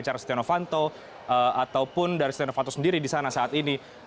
pengajar siti novanto ataupun dari siti novanto sendiri di sana saat ini